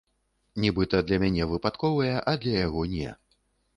Нібыта для мяне выпадковыя, а для яго не.